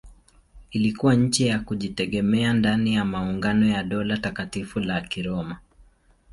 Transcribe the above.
Ilikuwa nchi ya kujitegemea ndani ya maungano ya Dola Takatifu la Kiroma.